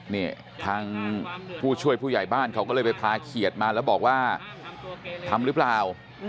นี่ทางผู้ช่วยผู้ใหญ่บ้านเขาก็เลยไปพาเขียดมาแล้วบอกว่าทำหรือเปล่า